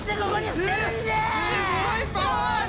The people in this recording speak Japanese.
すすごいパワーだ！